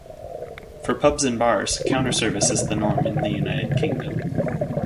For pubs and bars, counter service is the norm in the United Kingdom.